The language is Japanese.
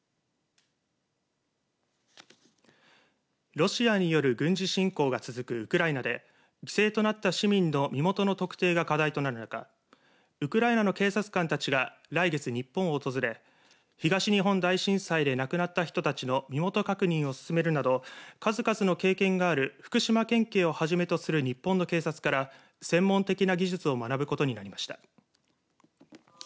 ロシアによる軍事侵攻が続くウクライナで犠牲となった市民の身元の特定が課題となる中ウクライナの警察官たちが来月、日本を訪れ東日本大震災で亡くなった人たちの身元確認を進めるなど数々の経験がある福島県警をはじめとする日本の警察から専門的な技術を学ぶことになりました。